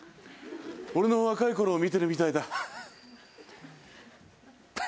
俺の若いころ見ているみたいだ。